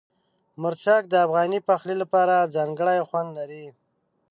مرچک د افغاني پخلي لپاره ځانګړی خوند لري.